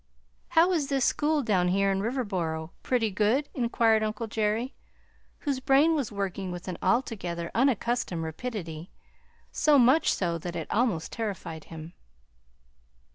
"How is this school down here in Riverboro pretty good?" inquired uncle Jerry, whose brain was working with an altogether unaccustomed rapidity, so much so that it almost terrified him.